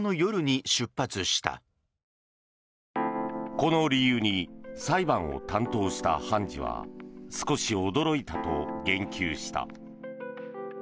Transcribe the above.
この理由に裁判を担当した判事は少し驚いたと言及した。